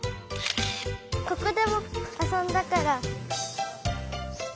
ここでもあそんだから。